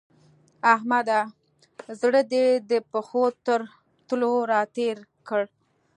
احمده! زړه دې د پښو تر تلو راتېر کړ.